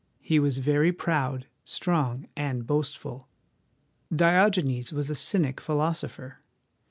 He was very proud, strong, and boastful. Diogenes was a cynic philosopher.